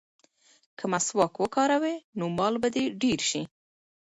که مسواک وکاروې نو مال به دې ډېر شي.